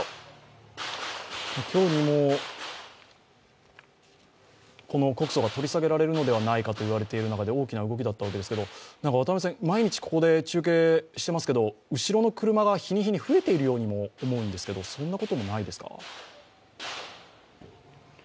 今日にも告訴が取り下げられるのではないかといわれている中で大きな動きだったわけですけれども、毎日ここで中継していますけれども、後ろの車が、日に日に増えているようにも思うんですが、そんなこともないですか？